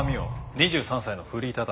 ２３歳のフリーターだ。